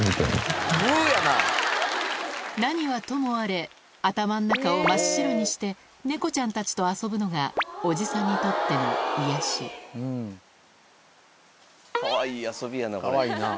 何はともあれ頭の中を真っ白にして猫ちゃんたちと遊ぶのがおじさんにとっての癒やしかわいい遊びやな